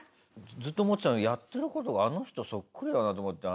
ずっと思ってたんだけどやってる事があの人そっくりだなと思って。